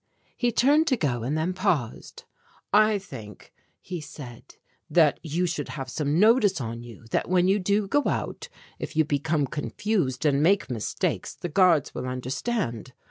He turned to go and then paused. "I think," he said, "that you should have some notice on you that when you do go out, if you become confused and make mistakes, the guards will understand.